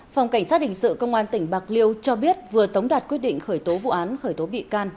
phòng cảnh sát hình sự công an tỉnh bạc liêu cho biết vừa tống đạt quyết định khởi tố vụ án khởi tố bị can